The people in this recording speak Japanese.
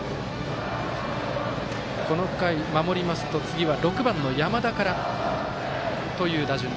この回、守りますと次は６番の山田からという打順。